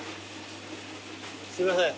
すいません。